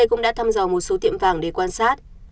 cũng đã thăm dò một số tiệm vàng để quan sát